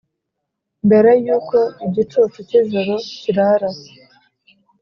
mbere yuko igicucu cy'ijoro kirara.